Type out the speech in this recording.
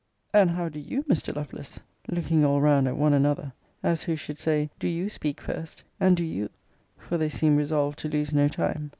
And how do you, Mr. Lovelace? looking all round at one another, as who should say, do you speak first: and, do you: for they seemed resolved to lose no time.